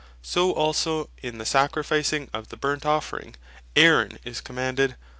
So also in the sacrificing of the Burnt offering, Aaron is commanded (Exod. 29.